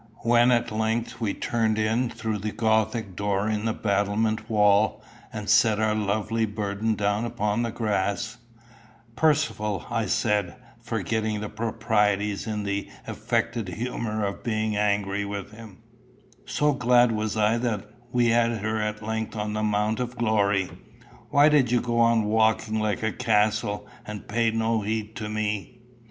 When at length we turned in through the gothic door in the battlemented wall, and set our lovely burden down upon the grass "Percivale," I said, forgetting the proprieties in the affected humour of being angry with him, so glad was I that we had her at length on the mount of glory, "why did you go on walking like a castle, and pay no heed to me?"